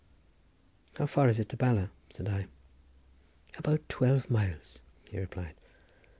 "How far is it to Bala?" said I. "About twelve miles," he replied.